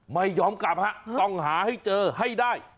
ไม่ยอมกลับฮะต้องหาให้เจอให้ได้